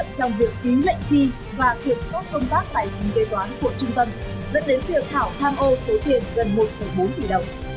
gần một bốn tỷ đồng